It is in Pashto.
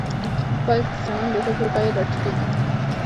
په پایله کې د څرمن د توکو بیه ټیټېږي